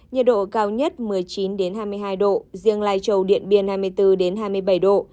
nhiệt độ cao nhất một mươi chín đến hai mươi hai độ riêng lai chầu điện biển hai mươi bốn đến hai mươi bảy độ